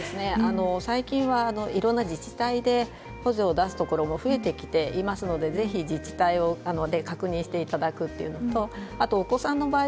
最近はいろんな自治体で補助を出すところも増えてきていますのでぜひ自治体で確認していただくというのとお子さんの場合